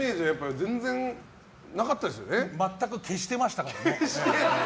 全く消してましたからね。